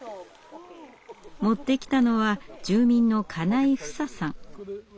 持ってきたのは住民の金井ふささん。